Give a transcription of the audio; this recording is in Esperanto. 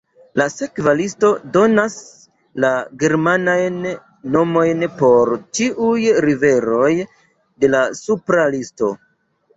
La sekva listo donas la germanajn nomojn por ĉiuj riveroj de la supra listo.